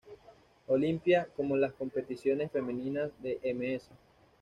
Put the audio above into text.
Olympia, como las competiciones femeninas de Ms.